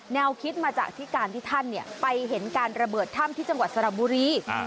แนวคิดมาจากที่การที่ท่านไปเห็นการระเบิดถ้ำที่จังหวัดสระบุรี